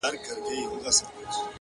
وروسته له ده د چا نوبت وو رڼا څه ډول وه،